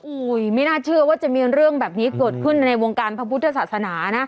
ไม่น่าเชื่อว่าจะมีเรื่องแบบนี้เกิดขึ้นในวงการพระพุทธศาสนานะ